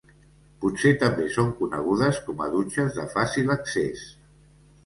Potser també són conegudes com a dutxes de fàcil accés.